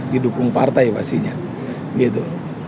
didukung partai pastinya gitu